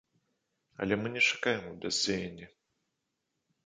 Але мы не чакаем у бяздзеянні.